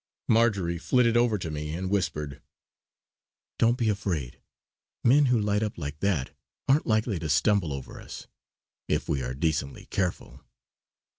Marjory flitted over to me and whispered: "Don't be afraid. Men who light up like that aren't likely to stumble over us, if we are decently careful."